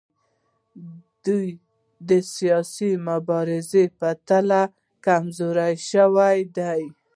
دوی د سیاسي مبارزې په پرتله کمزورې شوي دي